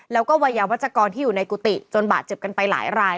แล้วก็วัยยาวัชกรที่อยู่ในกุฏิจนบาดเจ็บกันไปหลายราย